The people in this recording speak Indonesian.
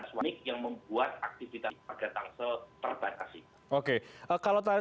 yang membuat aktivitas warga tangsel